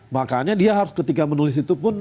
makanya dia harus ketika menulis itu pun